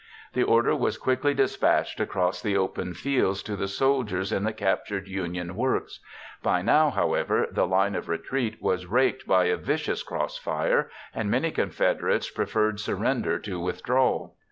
The order was quickly dispatched across the open fields to the soldiers in the captured Union works. By now, however, the line of retreat was raked by a vicious crossfire and many Confederates preferred surrender to withdrawal.